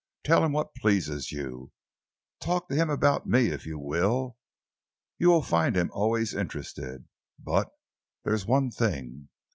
Tell him what pleases you. Talk to him about me, if you will you will find him always interested. But there is one thing.